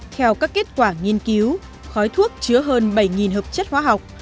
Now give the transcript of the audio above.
theo các kết quả nghiên cứu khói thuốc chứa hơn bảy hợp chất hóa học